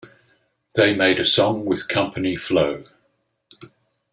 They made a song with Company Flow.